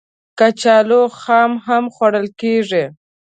کچالو خام هم خوړل کېږي